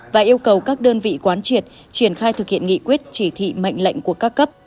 và yêu cầu các đơn vị quán triệt triển khai thực hiện nghị quyết chỉ thị mệnh lệnh của các cấp